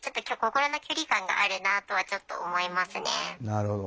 なるほど。